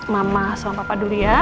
mama sama papa dulu ya